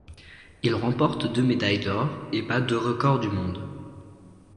Il remporte deux médailles d'or et bat deux records du monde.